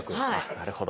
なるほど。